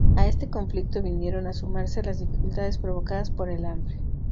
A este conflicto vinieron a sumarse las dificultades provocadas por el hambre.